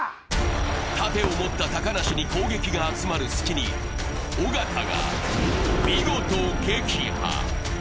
盾を持った高梨に攻撃が集まる隙に、尾形が見事、撃破。